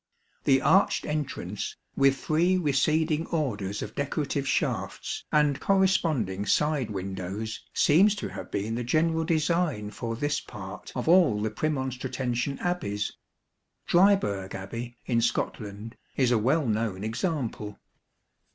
The arched entrance, with three receding orders of decorative shafts and corresponding side windows, seems to have been the general design for this part of all the Prernon stratensian Abbeys. Dryburgh Abbey, in Scotland, is a well known example.